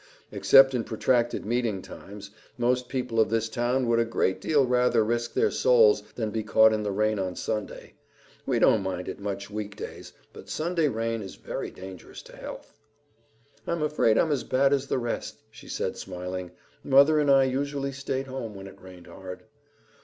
Except in protracted meeting times, most people of this town would a great deal rather risk their souls than be caught in the rain on Sunday. We don't mind it much week days, but Sunday rain is very dangerous to health." "I'm afraid I'm as bad as the rest," she said, smiling. "Mother and I usually stayed home when it rained hard."